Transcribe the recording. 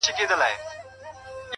ښكلي دا ستا په يو نظر كي جــادو،